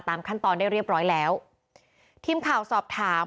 ขั้นตอนได้เรียบร้อยแล้วทีมข่าวสอบถาม